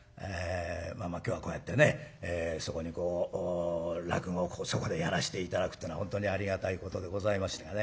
まあまあ今日はこうやってねそこにこう落語をそこでやらして頂くってのは本当にありがたいことでございましてね。